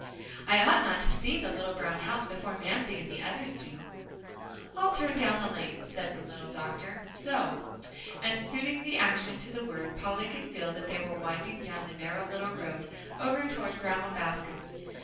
"I ought not to see the little brown house before Mamsie and the others do." "I'll turn down the lane," said the little doctor, "so"; and suiting the action to the word, Polly could feel that they were winding down the narrow little road over toward Grandma Bascom's.